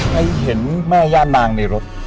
ใครเห็นแม่ญาตินางในรถ